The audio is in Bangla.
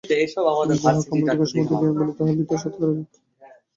যাহাকে আমরা বিজ্ঞানসম্মত জ্ঞান বলি, তাহার ভিতর শতকরা নিরানব্বই ভাগই হইতেছে নিছক মতবাদ।